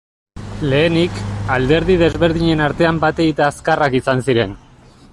Lehenik, alderdi desberdinen artean bat egite azkarrak izan ziren.